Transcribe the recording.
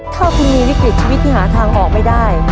ถ้าคุณมีวิกฤตชีวิตที่หาทางออกไม่ได้